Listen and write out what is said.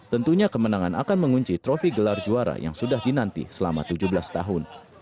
tentunya kemenangan akan mengunci trofi gelar juara yang sudah dinanti selama tujuh belas tahun